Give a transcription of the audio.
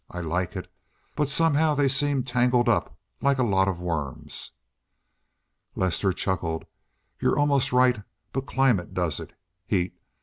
I like it, but somehow they seem tangled up, like a lot of worms." Lester chuckled, "You're almost right. But climate does it. Heat.